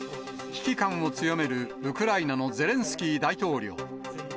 危機感を強めるウクライナのゼレンスキー大統領。